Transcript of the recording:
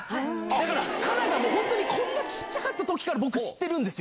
だから、ＫＡＲＡがこんなにちっちゃいときから、僕知ってるんですよ。